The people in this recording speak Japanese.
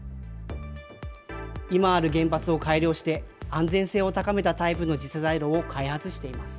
今ある原発を改良して、安全性を高めたタイプの次世代炉を開発しています。